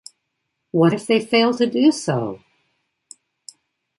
What if they fail to do so?